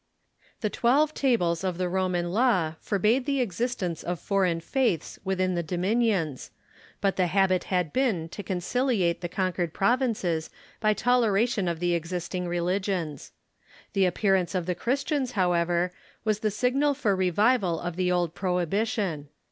The Twelve Tables of the Roman law forbade the existence of foreign faiths within the dominions, but the habit had been to conciliate the conquered provinces by toleration ^hi'ostmt"' ^^*^^ existing religions. The appearance of the Christians, however, Avas the signal for revival of the old prohibition.